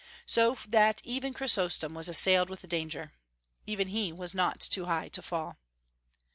So that even Chrysostom was assailed with danger. Even he was not too high to fall.